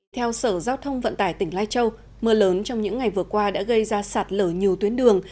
theo sở giao thông vận tải tỉnh lai châu mưa lớn trong những ngày vừa qua đã gây ra sạt lở nhiều tuyến đường